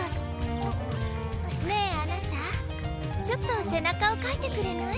ねえあなたちょっとせなかをかいてくれない？